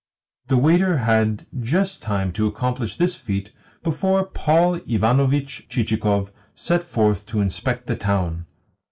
The waiter had just time to accomplish this feat before Paul Ivanovitch Chichikov set forth to inspect the town.